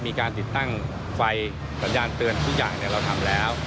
มีการติดตั้งไฟสัญญาณเตือนทุกอย่างเราทำแล้ว